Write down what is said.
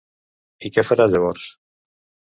I què farà llavors?